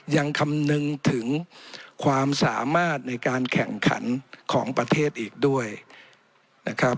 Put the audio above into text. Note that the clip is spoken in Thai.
ยังคำนึงถึงความสามารถในการแข่งขันของประเทศอีกด้วยนะครับ